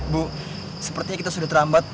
bu sepertinya kita sudah terlambat